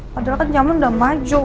padahal kan nyaman udah maju